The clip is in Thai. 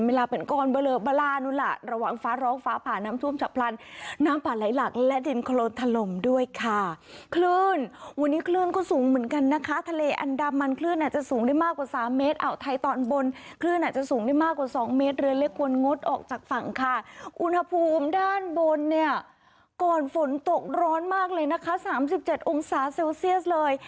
สามสิบเจ็ดองศาเซลเซลเชอสเลย